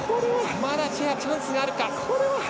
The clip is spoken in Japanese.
まだシェアチャンスがあるか。